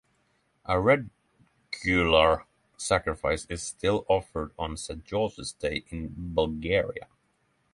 A regular sacrifice is still offered on St. George's Day in Bulgaria.